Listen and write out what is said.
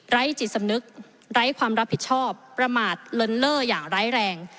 จิตสำนึกไร้ความรับผิดชอบประมาทเลินเล่ออย่างร้ายแรง